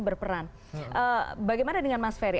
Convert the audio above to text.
berperan bagaimana dengan mas ferry